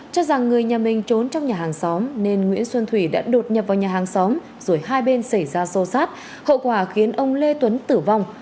cho rằng người nhà mình trốn trong nhà hàng xóm nên nguyễn xuân thủy đã đột nhập vào nhà hàng xóm rồi hai bên xảy ra sâu sát hậu quả khiến ông lê tuấn tử vong